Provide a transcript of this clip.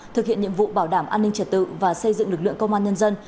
thực hiện nhiệm vụ bảo đảm an ninh trật tự và xây dựng lực lượng công an nhân dân